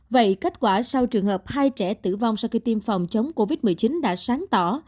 vậy kết quả sau trường hợp hai trẻ tử vong sau khi tiêm phòng chống covid một mươi chín đã sáng tỏ